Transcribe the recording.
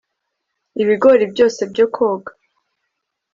ibigori byose byo koga